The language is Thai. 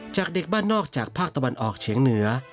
จากเด็กบ้านนอกจากภาคตะวันออกเฉียงเหนือ